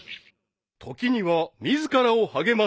［時には自らを励まし］